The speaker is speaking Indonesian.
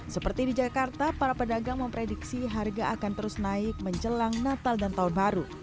seperti di jakarta para pedagang memprediksi harga akan terus naik menjelang natal dan tahun baru